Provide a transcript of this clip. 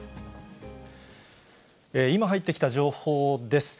今入ってきた情報です。